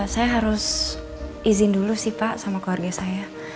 saya harus izin dulu pak dengan keluarga saya